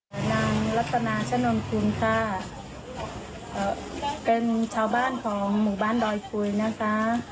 แผ่นนางลัตนานชนนคุณค่ะเป็นชาวบ้านของหมู่บ้านดอยคุยนะคะ